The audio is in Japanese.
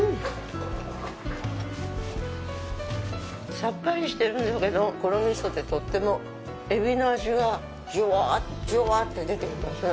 さっぱりしてるんだけどこの味噌でとってもエビの味がじゅわっじゅわって出てきますね。